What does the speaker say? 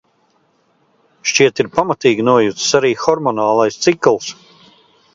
Šķiet, ir pamatīgi nojucis arī hormonālais cikls...